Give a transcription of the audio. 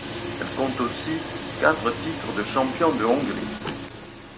Elle compte aussi quatre titres de champion de Hongrie.